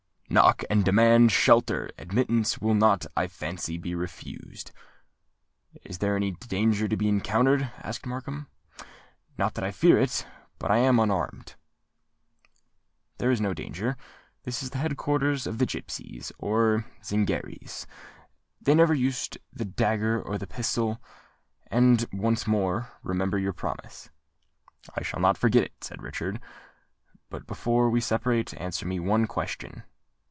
"Knock, and demand shelter: admittance will not, I fancy, be refused." "Is there any danger to be encountered?" asked Markham: "not that I fear it—but I am unarmed." "There is no danger. This is the head quarters of the Gipsies, or Zingarees: they never use the dagger or the pistol. And, once more, remember your promise." "I shall not forget it," said Richard. "But, before we separate, answer me one question."